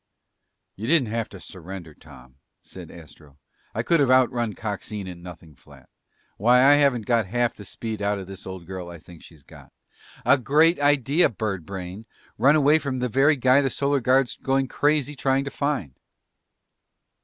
"You didn't have to surrender, Tom," said Astro. "I could have outrun Coxine in nothing flat. Why, I haven't got half the speed out of this old girl I think she's got." "A great idea, bird brain! Run away from the very guy the Solar Guard's going crazy trying to find!"